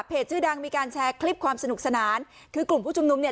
ชื่อดังมีการแชร์คลิปความสนุกสนานคือกลุ่มผู้ชุมนุมเนี่ย